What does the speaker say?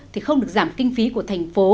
thì không được giảm kinh phí của thành phố